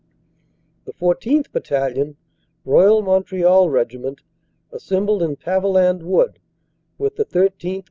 The 14th. Battalion, Royal Mont real Regiment, assembled in Paviland Wood, with the 13th.